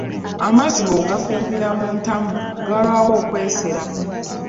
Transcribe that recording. Amazzi bw'ogafumbira mu ntamu galwawo okwesera.